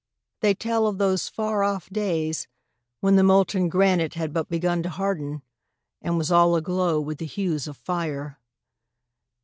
They tell of those far off days when the molten granite had but begun to harden, and was all aglow with the hues of fire.